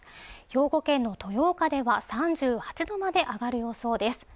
兵庫県の豊岡では３８度まで上がる予想です